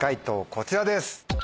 こちらです。